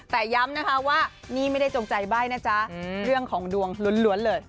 แต่ย้ำนะคะว่านี่ไม่ได้จงใจใบ้นะจ๊ะเรื่องของดวงล้วนเลย